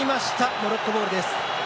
モロッコボールです。